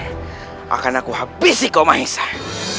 dan aku masih memiliki kekuatan